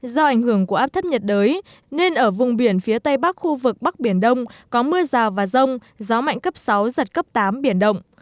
do ảnh hưởng của áp thấp nhiệt đới nên ở vùng biển phía tây bắc khu vực bắc biển đông có mưa rào và rông gió mạnh cấp sáu giật cấp tám biển động